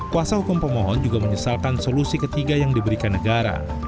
kuasa hukum pemohon juga menyesalkan solusi ketiga yang diberikan negara